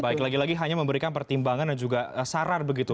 baik lagi lagi hanya memberikan pertimbangan dan juga saran begitu